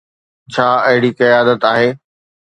ڇا اهڙي قيادت آهي؟